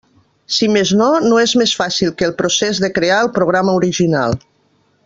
Si més no, no és més fàcil que el procés de crear el programa original.